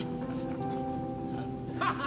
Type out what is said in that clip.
ハハハ！